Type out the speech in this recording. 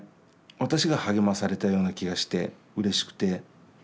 私が励まされたような気がしてうれしくて。